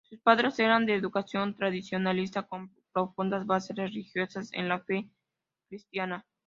Sus padres eran de educación tradicionalista, con profundas bases religiosas en la fe cristiana.